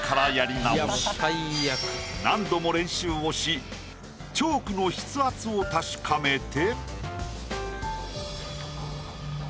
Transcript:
何度も練習をしチョークの筆圧を確かめて。